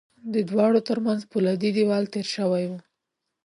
د دواړو ترمنځ پولادي دېوال تېر شوی و